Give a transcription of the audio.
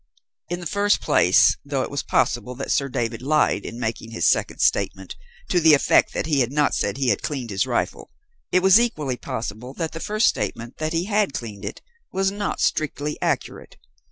"In the first place, though it was possible that Sir David lied in making his second statement to the effect that he had not said he had cleaned his rifle, it was equally possible that the first statement that he had cleaned it was not strictly accurate.